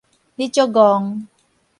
你足戇